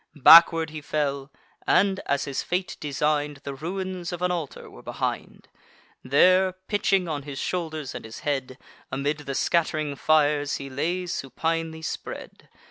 Backward he fell; and, as his fate design'd, The ruins of an altar were behind: There, pitching on his shoulders and his head, Amid the scatt'ring fires he lay supinely spread.